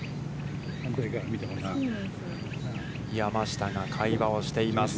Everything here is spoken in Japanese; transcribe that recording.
山下が会話をしています。